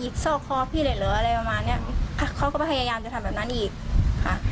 ยิบเศร้าคอพี่หรืออะไรประมาณเนี้ยอ่ะเขาก็พยายามจะทำแบบนั้นอีกค่ะ